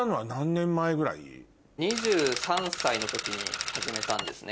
２３歳の時に始めたんですね。